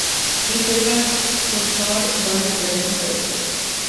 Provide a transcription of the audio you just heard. He playbacked the Todd Rundgren vocals.